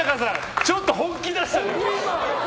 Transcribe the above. ちょっと本気出したじゃん。